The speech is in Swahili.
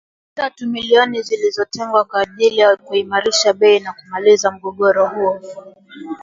tatu milioni zilizotengwa kwa ajili ya kuimarisha bei na kumaliza mgogoro huo